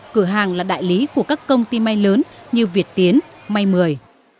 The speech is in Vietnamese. cửa hàng là đại lý của các công ty may lớn như việt tiến may mười